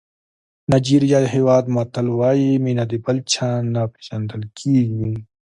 نایجېریا هېواد متل وایي مینه د بل چا نه پېژندل کېږي.